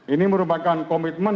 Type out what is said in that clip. ini merupakan komitmen